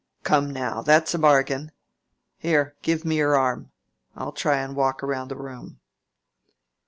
Come now! That's a bargain. Here, give me your arm. I'll try and walk round the room."